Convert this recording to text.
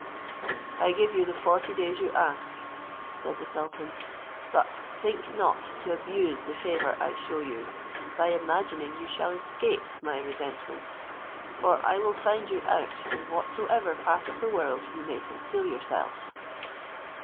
"I give you the forty days you ask," said the sultan; "but think not to abuse the favour I shew you, by imagining you shall escape my resentment; for I will find you out in whatsoever part of the world you may conceal yourself."